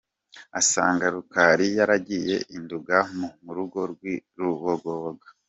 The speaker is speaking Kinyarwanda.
Asanga Rukali yaragiye i Nduga mu rugo rw’i Rugobagoba.